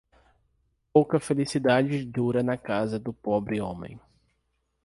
Pouca felicidade dura na casa do pobre homem.